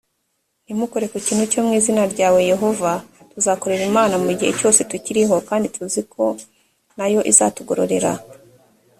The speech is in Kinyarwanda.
ntimukore ku kintu cyomu izina ryawe yehova ,tuzakorera imana mugihe cyose tukiriho kandi tuzi neza ko nayo izatugororera